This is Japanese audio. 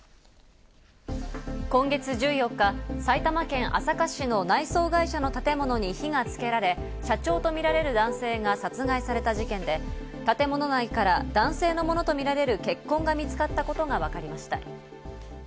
今月１４日、埼玉県朝霞市の内装会社の建物に火がつけられ、社長とみられる男性が殺害された事件で、建物内から男性のものとみられる血痕が見つかったことがわかりました。